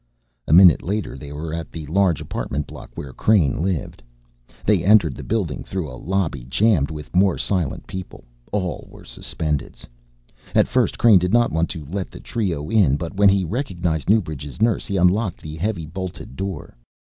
A minute later they were at the large apartment block where Crane lived. They entered the building through a lobby jammed with more silent people. All were Suspendeds. At first Crane did not want to let the trio in but when he recognized Newbridge's nurse he unlocked the heavily bolted door.